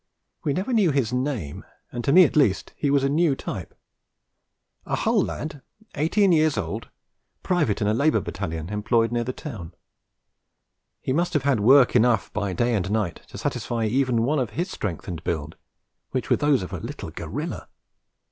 We never knew his name, and to me at least he was a new type. A Hull lad, eighteen years old, private in a Labour Battalion employed near the town, he must have had work enough by day and night to satisfy even one of his strength and build, which were those of a little gorilla.